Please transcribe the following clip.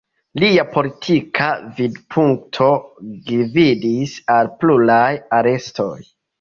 Lia politika vidpunkto gvidis al pluraj arestoj.